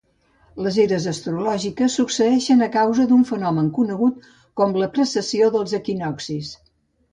Les eres astrològiques succeeixen a causa d'un fenomen conegut com la precessió dels equinoccis.